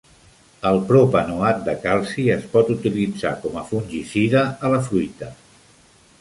El propanoat de calci es pot utilitzar com a fungicida a la fruita.